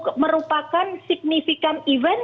jadi ini merupakan event yang signifikan tidak